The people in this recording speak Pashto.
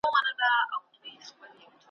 په خمير كي يې فساد دئ ور اخښلى ,